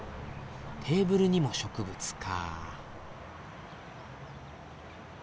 テーブルにも植物か。